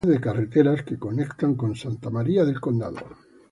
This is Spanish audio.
Red de carreteras que conectan con Santa María del Condado